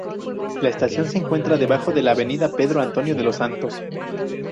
La estación se encuentra debajo de la avenida Pedro Antonio de los Santos.